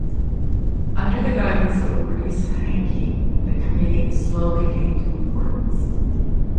Under the guidance of Maurice Hankey, the Committee slowly gained in importance.